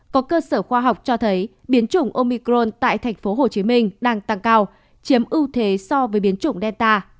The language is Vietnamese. có cơ sở khoa học cho thấy biến chủng omicron tại tp hcm đang tăng cao chiếm ưu thế so với biến chủng delta